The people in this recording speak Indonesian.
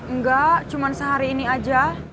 enggak cuma sehari ini aja